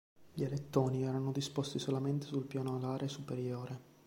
Gli alettoni erano disposti solamente sul piano alare superiore.